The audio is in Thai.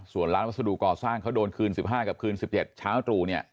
ส่วนร้านวัสดุก่อสร้างเขาโดนคืน๑๕กับคืน๑๗เช้าตรู่เนี่ย